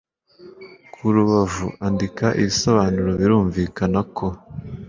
ku rubavu andika ibisobanuro Birumvikana ko